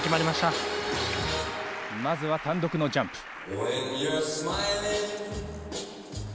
まずは単独のジャンプ。